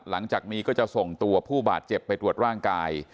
หลังจากนี้ก็จะส่งตัวผู้บาดเจ็บไปตรวจร่างกาย